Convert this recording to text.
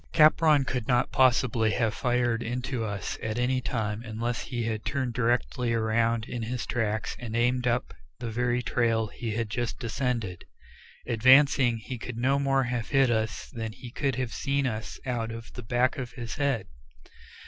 Capron could not possibly have fired into us at any time, unless he had turned directly around in his tracks and aimed up the very trail he had just descended. Advancing, he could no more have hit us than he could have seen us out of the back of his head.